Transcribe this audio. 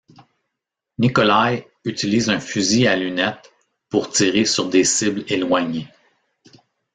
Nikolai utilise un fusil à lunette, pour tirer sur des cibles éloignées.